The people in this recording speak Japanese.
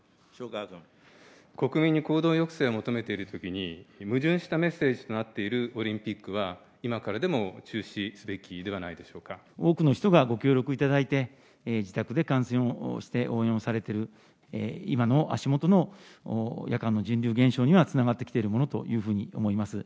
国民に行動抑制を求めているときに、矛盾したメッセージとなっているオリンピックは、今からでも中止多くの人がご協力いただいて、自宅で観戦をして、応援をされている、今の足元の夜間の人流減少にはつながってきているものというふうに思います。